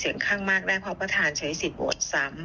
เสียงข้างมากและพอประธานใช้สิทธิ์โบสถ์ซ้ำ